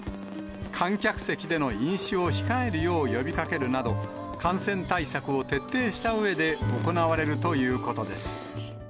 観客席での飲酒を控えるよう呼びかけるなど、感染対策を徹底したうえで行われるということです。